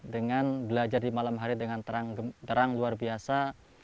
dengan belajar di malam hari dengan terang luar biasa